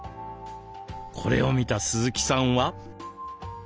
これを見た鈴木さんは？